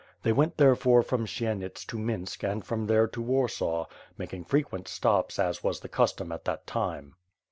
They went therefore from Siennits to Minsk and from there to Warsaw, making frequent stops, as was the custom at that time.